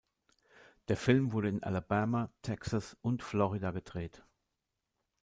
Der Film wurde in Alabama, Texas und Florida gedreht.